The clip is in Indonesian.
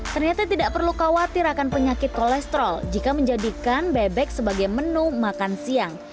ternyata tidak perlu khawatir akan penyakit kolesterol jika menjadikan bebek sebagai menu makan siang